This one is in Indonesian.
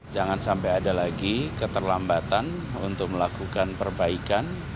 jangan sampai ada lagi keterlambatan untuk melakukan perbaikan